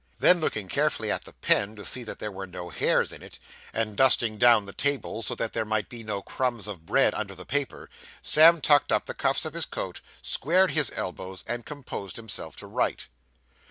Then looking carefully at the pen to see that there were no hairs in it, and dusting down the table, so that there might be no crumbs of bread under the paper, Sam tucked up the cuffs of his coat, squared his elbows, and composed himself to write.